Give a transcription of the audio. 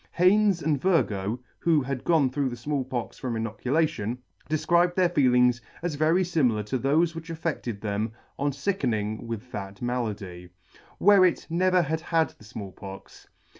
Haynes and Virgoe, who had gone through the Small Pox from inoculation, defcribed their feelings as very limilar to thofe which affected them on ficken ing with that malady. Wherret never had had the Small Pox.